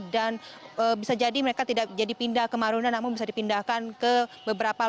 dan bisa jadi mereka tidak jadi pindah kemarunan namun bisa dipindahkan ke beberapa lantai